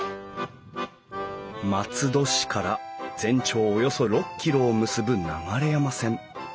松戸市から全長およそ６キロを結ぶ流山線。